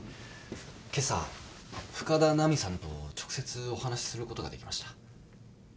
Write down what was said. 今朝深田奈美さんと直接お話しすることができました。